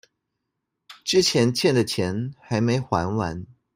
之前欠的錢還沒還完